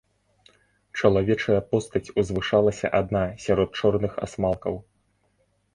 Чалавечая постаць узвышалася адна сярод чорных асмалкаў.